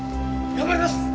頑張ります！